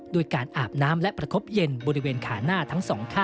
ด้วยการอาบน้ำและประคบเย็นบริเวณขาหน้าทั้งสองข้าง